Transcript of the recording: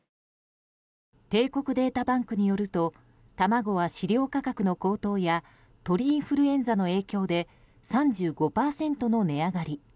帝国データバンクによると卵は、飼料価格の高騰や鳥インフルエンザの影響で３５％の値上がり。